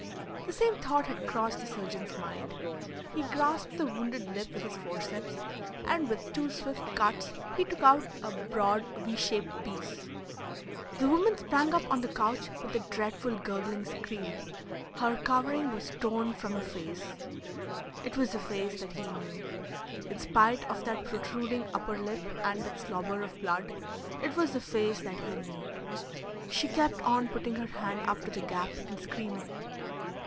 The same thought had crossed the surgeon's mind. He grasped the wounded lip with his forceps, and with two swift cuts he took out a broad V shaped piece. The woman sprang up on the couch with a dreadful gurgling scream. Her covering was torn from her face. It was a face that he knew. In spite of that protruding upper lip and that slobber of blood, it was a face that he knew. She kept on putting her hand up to the gap and screaming.